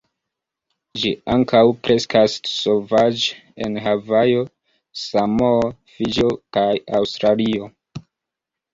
Ĝi ankaŭ kreskas sovaĝe en Havajo, Samoo, Fiĝio kaj Aŭstralio.